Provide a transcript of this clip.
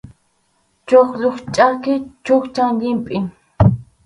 Chuqllup chʼaki chukchan llimpʼi.